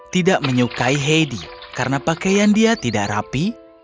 tidak menyukai heidi karena pakaian dia tidak rapi